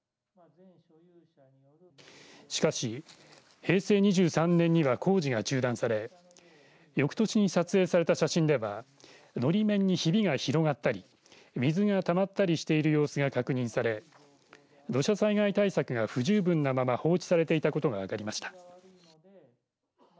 しかし、平成２３年には工事が中断され翌年に撮影された写真ではのり面にひびが広がったり水がたまったりしている様子が確認され土砂災害対策が不十分なまま放置されていたことが分かりました。